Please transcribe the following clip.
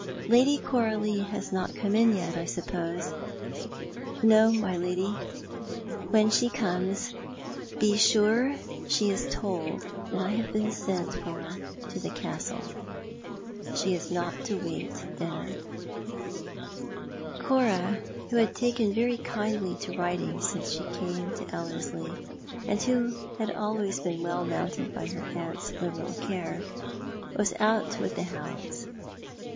Lady Coralie has not come in yet, I suppose ?"" No, my lady." " When she comes, be sure she is told that I have been sent for to the Castle. She is not to wait dinner." Cora, who had taken very kindly to riding since she came to Ellerslie, and who had always been well mounted by her aunt's liberal care, was out with the hounds.